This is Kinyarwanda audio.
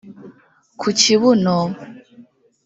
ku kibuno